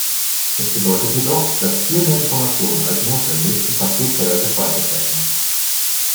Es bedeutet jedoch, dass viel mehr Informationen, als notwendig, im Paket-Header gespeichert werden müssen.